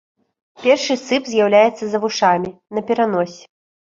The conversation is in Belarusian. Першы сып з'яўляецца за вушамі, на пераноссі.